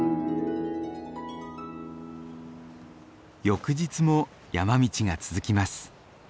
翌日も山道が続きます。